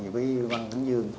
với văn kính dương